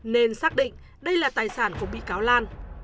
nên xác định đây là tài sản của bị cáo lan